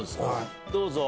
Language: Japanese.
どうぞ。